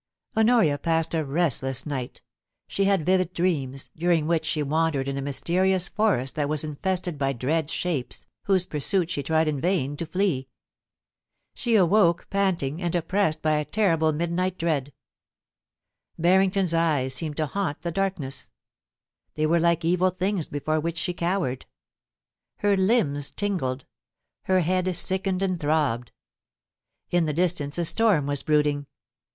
Honor I A passed a restless night She had vivid dreams, during which she wandered in a mysterious forest that was infested by dread shapes, whose pursuit she tried in vain to flee. She awoke panting and oppressed by a terrible mid night dread Harrington's eyes seemed to haunt the dark ness. They were like evil things before which she cowered. Her limbs tingled : her head sickened and throbbed. In the distance a storm was brooding.